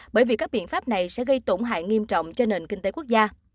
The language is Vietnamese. bởi vì các biện pháp này sẽ gây tổn hại nghiêm trọng cho nền kinh tế quốc gia